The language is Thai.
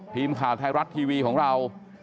ทีมข่าวไทยรัฐทีวีของเรา